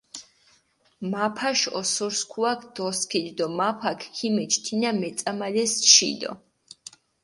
მაფაში ოსურისქუაქ დოსქიდჷ დო მაფაქ ქიმეჩჷ თინა მეწამალეს ჩილო.